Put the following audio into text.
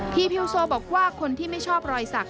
พิวโซบอกว่าคนที่ไม่ชอบรอยสัก